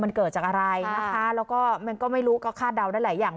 มันเกิดจากอะไรนะคะแล้วก็มันก็ไม่รู้ก็คาดเดาได้หลายอย่าง